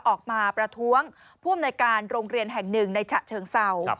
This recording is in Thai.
ประท้วงผู้อำนวยการโรงเรียนแห่งหนึ่งในฉะเชิงเศร้า